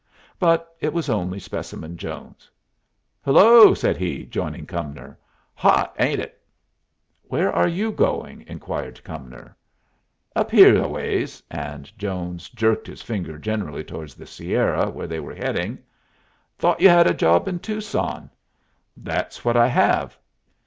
But it was only Specimen Jones. "Hello!" said he, joining Cumnor. "Hot, ain't it?" "Where are you going?" inquired Cumnor. "Up here a ways." And Jones jerked his finger generally towards the Sierra, where they were heading. "Thought you had a job in Tucson." "That's what I have."